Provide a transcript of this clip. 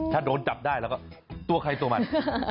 ถ้าโดนจับได้แล้วก็ตัวใครตัวมัน